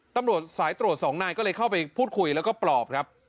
ตำรวจสายตรวจสองนายก็เลยเข้าไปพูดคุยแล้วก็ปลอบครับ